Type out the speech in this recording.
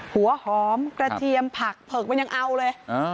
หัวหอมกระเทียมผักเผือกมันยังเอาเลย